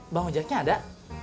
bang ojaknya ada